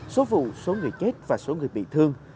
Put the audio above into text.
số vụ số người chết và số người bị thương